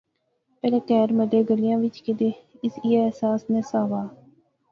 پہلے کہر، محلے، گلیا وچ کیدے اس ایہہ احساس نہسا وہا